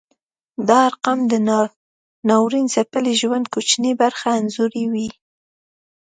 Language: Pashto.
دا ارقام د ناورین ځپلي ژوند کوچنۍ برخه انځوروي.